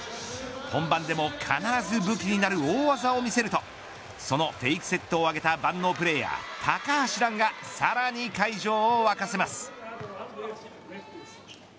本番でも必ず武器になる大技を見せるとそのフェイクセットを上げた万能プレーヤー、高橋藍がさらに会場を沸かせます。